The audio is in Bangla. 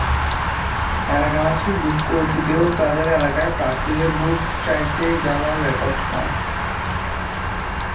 এলাকাবাসীর দুঃখ, অতীতেও তাঁদের এলাকায় প্রার্থীদের ভোট চাইতে যাওয়ার রেকর্ড কম।